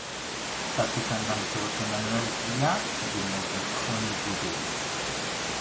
তার পিতার নাম জোসে ম্যানুয়েল ভিয়া, যিনি একজন খনিজীবী।